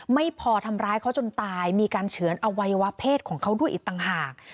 ไม่พอทำร้ายเขาจนตายมีการเฉือนอวัยวะเพศของเขาด้วยอีกต่างหาก